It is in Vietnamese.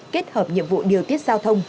kết hợp nhiệm vụ điều tiết giao thông